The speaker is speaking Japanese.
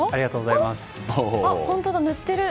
本当だ、塗ってる。